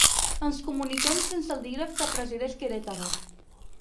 Ens comuniquem sense el dígraf que presideix Querétaro.